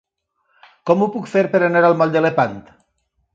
Com ho puc fer per anar al moll de Lepant?